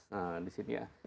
nah di sini ya